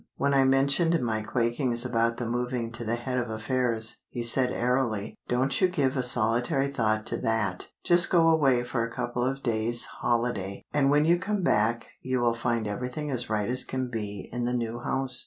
When I mentioned my quakings about the moving to the Head of Affairs, he said airily, "Don't you give a solitary thought to that. Just go away for a couple of days' holiday, and when you come back you will find everything as right as can be in the new house.